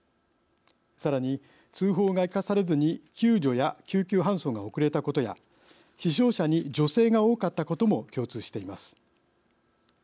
さらに、通報が生かされずに救助や救急搬送が遅れたことや死傷者に女性が多かったことも共通しています。